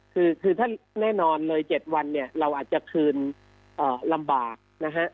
คือถ้าแน่นอนเลย๗วันเนี่ยเราอาจจะคืนลำบากนะฮะ